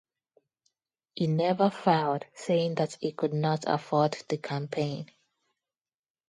He never filed, saying that he could not afford the campaign.